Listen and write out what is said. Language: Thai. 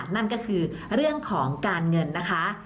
นั่นก็คือเรื่องของการเงินนะคะ